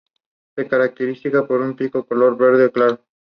Se caracteriza por su pico de color verde claro.